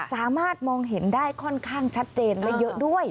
สามารถมองเห็นได้ค่อนข้างชัดเจนและเยอะด้วย